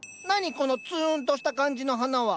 このつんとした感じの花は。